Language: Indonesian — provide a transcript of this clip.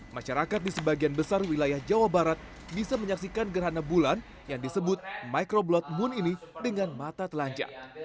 masyarakat di sebagian besar wilayah jawa barat bisa menyaksikan gerhana bulan yang disebut microblood moon ini dengan mata telanjang